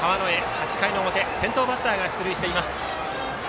８回の表、先頭バッターが出塁しています。